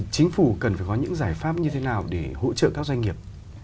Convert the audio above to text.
cần phải có những giải pháp như thế nào để hỗ trợ các doanh nghiệp